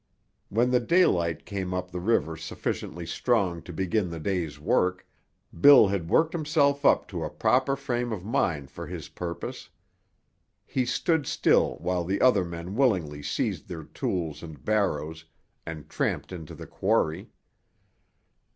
When the daylight came up the river sufficiently strong to begin the day's work, Bill had worked himself up to a proper frame of mind for his purpose. He stood still while the other men willingly seized their tools and barrows and tramped into the quarry.